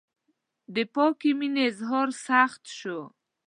د پاکې مینې اظهار سخت شو.